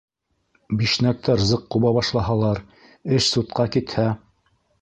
Бишнәктәр зыҡ ҡуба башлаһалар, эш судҡа китһә.